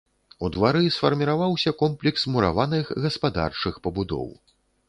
У двары сфарміраваўся комплекс мураваных гаспадарчых пабудоў.